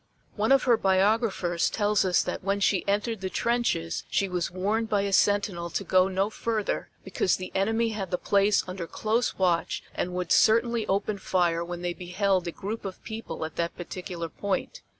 One of her biographers tells us that when she entered the trenches she was warned by a sentinel to go no further, because the enemy had the place under close watch and would certainly open fire when they beheld a group of people at that particular point.